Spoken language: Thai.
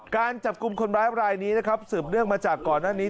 การจับกลุ่มคนร้ายรายนี้นะครับสืบเนื่องมาจากก่อนหน้านี้